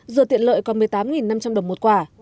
dừa tiện lợi còn một mươi tám năm trăm linh đồng một quả